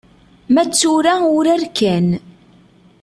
Ma d tura urar kan.